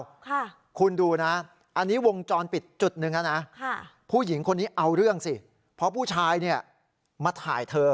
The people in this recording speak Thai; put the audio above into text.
ค่ะคุณดูนะอันนี้วงจรปิดจุดหนึ่งแล้วนะค่ะผู้หญิงคนนี้เอาเรื่องสิเพราะผู้ชายเนี่ยมาถ่ายเธอ